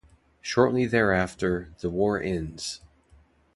Shortly thereafter, the War ends.